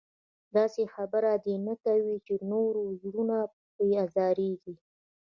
داسې خبره دې نه کوي چې نورو زړونه پرې ازارېږي.